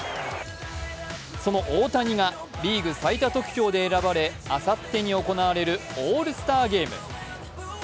その大谷がリーグ最多得票で選ばれ、あさってに行われるオールスターゲーム。